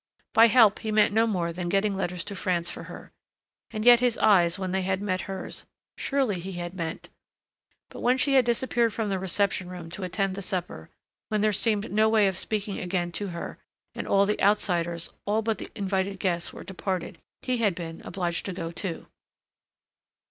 By help he meant no more than getting letters to France for her.... And yet his eyes when they had met hers.... Surely he had meant but when she had disappeared from the reception room to attend the supper, when there seemed no way of speaking again to her, and all the outsiders, all but the invited guests were departed, he had been, obliged to go, too.